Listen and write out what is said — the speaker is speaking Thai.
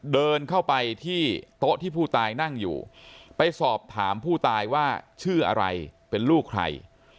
เดินเข้าไปที่โต๊ะที่ผู้ตายนั่งอยู่ไปสอบถามผู้ตายว่าชื่ออะไรเป็นลูกใคร